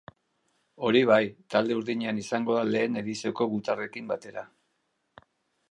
Hori bai, talde urdinean izango da lehen edizioko gutarrekin batera.